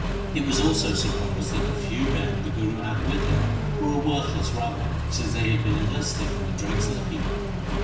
It was also supposed that the few men the Guru had now with him were a worthless rabble, since they had been enlisted from the dregs of the people.